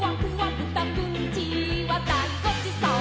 「ブタくんちはだいごちそう！」